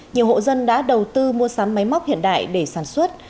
nhiều hộ dân đã đầu tư mua sắm máy móc hiện đại để sản xuất